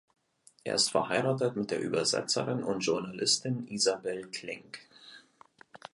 Er ist verheiratet mit der Übersetzerin und Journalistin Isabel Klink.